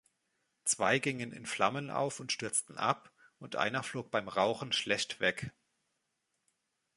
Zwei gingen in Flammen auf und stürzten ab, und einer flog beim Rauchen schlecht weg.